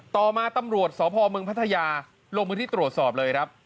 ต่อมาตำรวจสพเมืองพัทยาลงพื้นที่ตรวจสอบเลยครับ